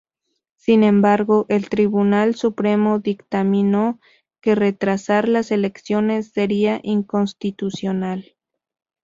Sin embargo, el Tribunal Supremo dictaminó que retrasar las elecciones sería inconstitucional.